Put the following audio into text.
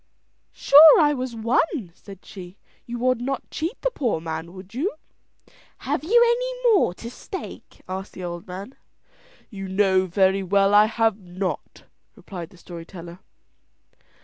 "Sure I was won," said she. "You would not cheat the poor man, would you?" "Have you any more to stake?" asked the old man. "You know very well I have not," replied the story teller.